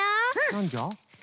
なんじゃ？